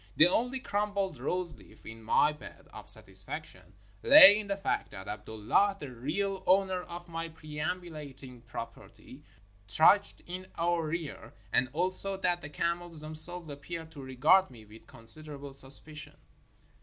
The only crumpled roseleaf in my bed of satisfaction lay in the fact that Abdullah, the real owner of my perambulating property, trudged in our rear, and also that the camels themselves appeared to regard me with considerable suspicion.